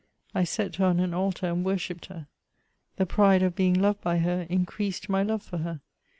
I set her on an altar, and worshipped her. The pride of being loved by her, increased my love for her.